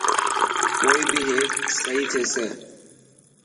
ڪوئي بي هيڪ سهي ٿيسي.